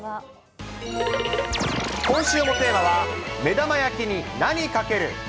今週もテーマは、目玉焼きに何かける？